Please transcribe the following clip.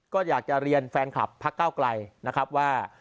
ก็อยากจะเรียนแฟนคลับพักเก้าไกลนะครับว่า